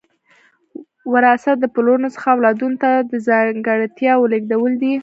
وراثت د پلرونو څخه اولادونو ته د ځانګړتیاوو لیږدول دي